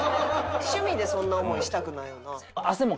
趣味でそんな思いしたくないよな。